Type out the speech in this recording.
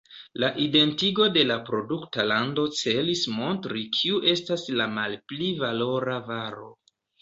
La identigo de la produkta lando celis montri kiu estas la malpli valora varo.